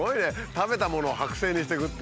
食べたものを剥製にしていくって。